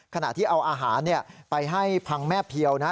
ขณะที่เอาอาหารไปให้พังแม่เพียวนะ